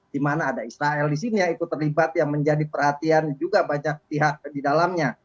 di mana ada israel di sini yang ikut terlibat yang menjadi perhatian juga banyak pihak di dalamnya